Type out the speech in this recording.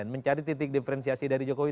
mencari titik diferensiasi dari jokowi